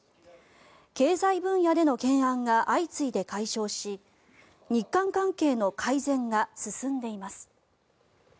経済分野での懸案が相次いで解消し日韓関係の改善が進んでいます。